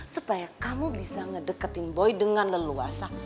supaya kamu bisa ngedeketin boy dengan leluasa